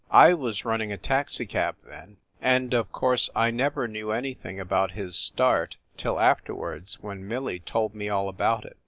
I was running a taxicab then, and of course I never knew anything about his start till afterwards when Millie told me all about it.